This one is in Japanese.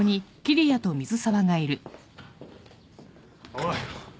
おい。